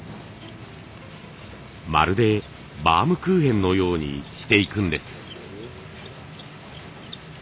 まるでバウムクーヘンのようにしていくんです。